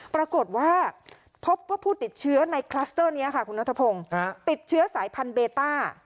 ปรากฏว่าพบว่าผู้ติดเชื้อในคลัสเตอร์นี้ค่ะคุณนัทพงศ์ติดเชื้อสายพันธุเบต้า